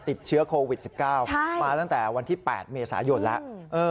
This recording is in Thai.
ติดเชื้อโควิดสิบเก้าใช่มาตั้งแต่วันที่แปดเมษายนแล้วอือ